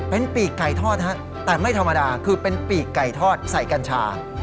เป็นปีกไก่ทอดฮะแต่ไม่ธรรมดาคือเป็นปีกไก่ทอดใส่กัญชา